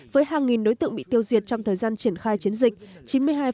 với hàng nghìn đối tượng bị tiêu diệt trong thời gian triển khai chiến dịch